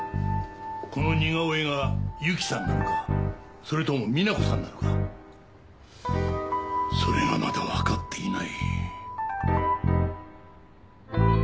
この似顔絵がゆきさんなのかそれともみな子さんなのかそれがまだわかっていない。